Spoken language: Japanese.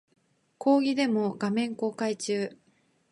講義デモ画面公開中